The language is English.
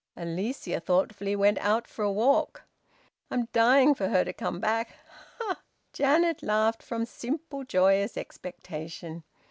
Alicia thoughtfully went out for a walk. I'm dying for her to come back." Janet laughed from simple joyous expectation.